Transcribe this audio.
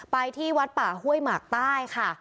ที่วัดป่าห้วยหมากใต้ค่ะ